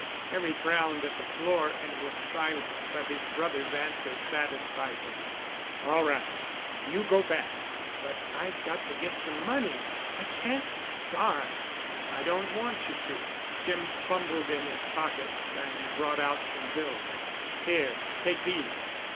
Harry frowned at the floor, and was silent, but his brother's answer satisfied him. "All right. You go back—but I've got to get some money. I can't starve." "I don't want you to," Jim fumbled in his pockets and brought out some bills. "Here—take these.